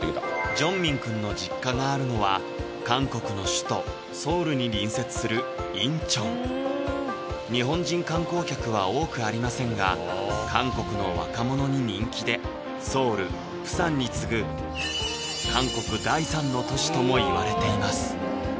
ジョンミン君の実家があるのは韓国の首都・ソウルに隣接する仁川日本人観光客は多くありませんが韓国の若者に人気でソウルプサンに次ぐ韓国第３の都市ともいわれています